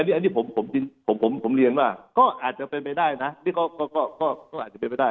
อันนี้ผมเรียนว่าก็อาจจะเป็นไปได้นะ